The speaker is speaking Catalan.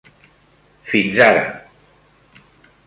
-, fins ara.